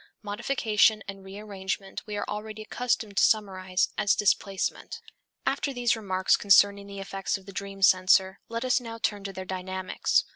Modification and rearrangement we are already accustomed to summarize as displacement. After these remarks concerning the effects of the dream censor, let us now turn to their dynamics.